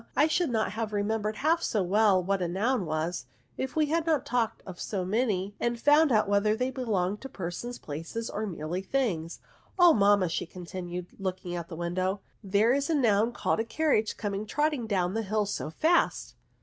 I should not have rememembered half so well what a noun was, if we had not talked of so many, and found out whether they belonged to persons, places, or were merely things. Oh, m"»^ 10 NOUNS. ma," continued she, looking outsat the window, '' there is a noun called a carriage coming trotting down the hill so fast